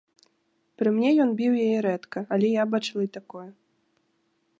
Пры мне ён біў яе рэдка, але я бачыла і такое.